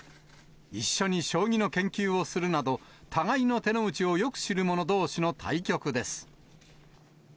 一緒に将棋の研究をするなど、互いの手の内をよく知る者どうしの対局です。